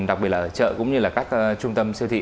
đặc biệt là chợ cũng như là các trung tâm siêu thị